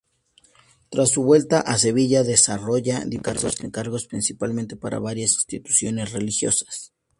Tras su vuelta a Sevilla desarrolla diversos encargos, principalmente para varias instituciones religiosas.